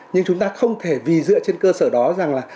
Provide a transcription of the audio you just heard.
nhưng chúng ta không thể vì dựa trên cơ sở đó rằng là